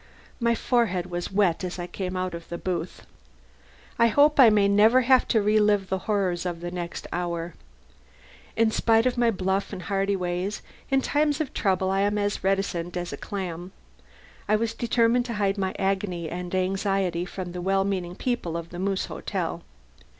My forehead was wet as I came out of the booth. I hope I may never have to re live the horrors of the next hour. In spite of my bluff and hearty ways, in times of trouble I am as reticent as a clam. I was determined to hide my agony and anxiety from the well meaning people of the Moose Hotel.